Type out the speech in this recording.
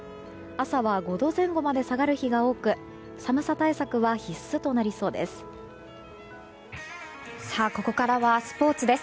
朝は５度前後まで下がる日が多く寒さ対策は必須となりそうです。